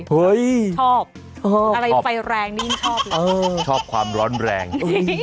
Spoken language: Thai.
เฮ้ยชอบอะไรไฟแรงนี่ยิ่งชอบเลยชอบความร้อนแรง